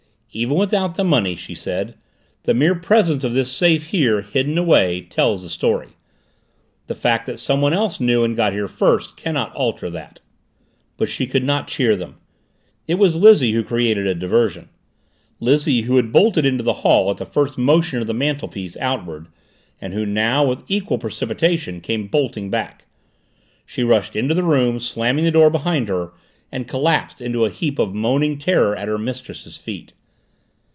"Even without the money," she said; "the mere presence of this safe here, hidden away, tells the story. The fact that someone else knew and got here first cannot alter that." But she could not cheer them. It was Lizzie who created a diversion. Lizzie who had bolted into the hall at the first motion of the mantelpiece outward and who now, with equal precipitation, came bolting back. She rushed into the room, slamming the door behind her, and collapsed into a heap of moaning terror at her mistress's feet.